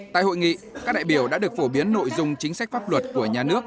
tại hội nghị các đại biểu đã được phổ biến nội dung chính sách pháp luật của nhà nước